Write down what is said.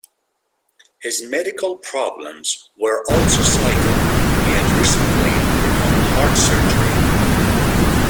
His medical problems were also cited: he had recently undergone heart surgery.